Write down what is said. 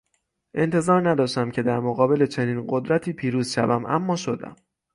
انتظار نداشتم که در مقابل چنین قدرتی پیروز شوم اما شدم!